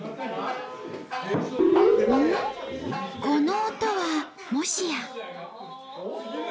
この音はもしや。